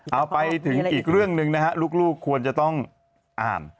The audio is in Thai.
เอาไปถึงอีกเรื่องหนึ่งนะฮะลูกควรจะต้องอ่าน